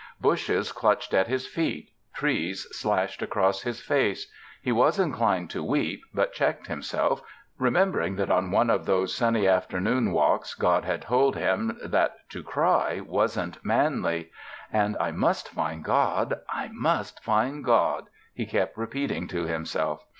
Bushes clutched at his feet. Trees slashed across his face. He was inclined to weep, but checked himself, remembering that on one of those sunny afternoon walks God had told him that to cry wasn't manly. "And I must find God. I must find God," he kept repeating to himself.